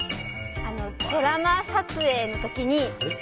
ドラマ撮影の時に。